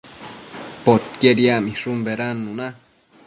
Poquied yacmishun bedannuna